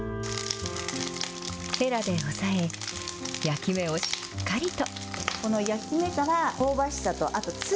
へらで押さえ、焼き目をしっかりと。